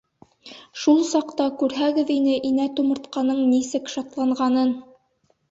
Шул саҡта күрһәгеҙ ине инә тумыртҡаның нисек шатланғанын!